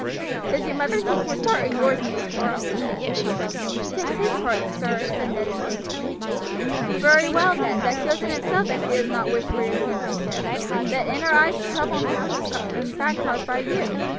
"Does your mother take his part or yours in these quarrels, Ned?" "She takes his part, sir," said Ned indignantly. "Very well, Ned; that shows in itself that she does not wish for your championship, that in her eyes the trouble in the house is in fact caused by you.